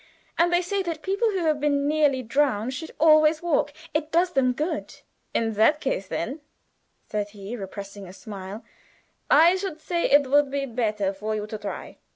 "And they say that people who have been nearly drowned should always walk; it does them good." "In that case then," said he, repressing a smile, "I should say it would be better for you to try.